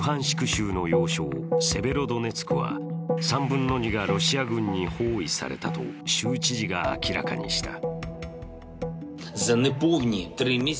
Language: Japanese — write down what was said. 州の要衝セベロドネツクは３分の２がロシア軍に包囲されたと州知事が明らかにした。